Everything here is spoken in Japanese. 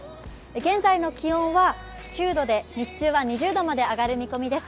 現在の気温は９度で日中は２０度まで上がる見込みです。